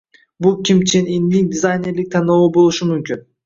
Bu Kim Chen Inning dizaynerlik tanlovi bo‘lishi mumkin